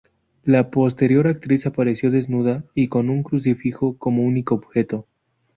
La posterior actriz apareció desnuda y con un crucifijo como único objeto.